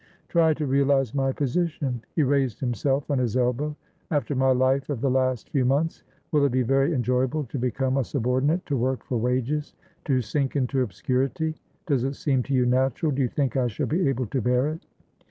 "Try to realise my position." He raised himself on his elbow. "After my life of the last few months, will it be very enjoyable to become a subordinate, to work for wages, to sink into obscurity? Does it seem to you natural? Do you think I shall be able to bear it?"